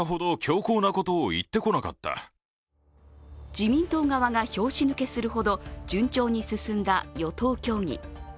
自民党側が拍子抜けするほど順調に進んだ与党協議。